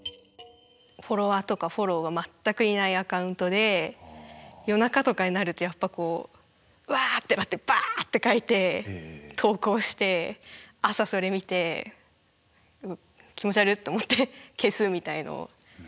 フォロワーとかフォローが全くいないアカウントで夜中とかになるとやっぱこうウワー！ってなってバーって書いて投稿して朝それ見て気持ち悪って思って消すみたいのを繰り返してますね。